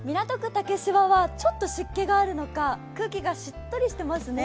竹芝はちょっと湿気があるのか、空気がしっとりしてますね